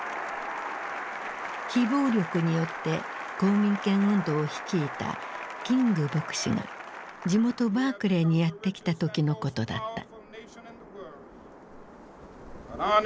非暴力によって公民権運動を率いたキング牧師が地元バークレーにやって来た時のことだった。